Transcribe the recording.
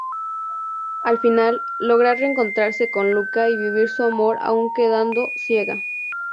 Al final, logra reencontrarse con Luca, y vivir su amor aún quedando ciega.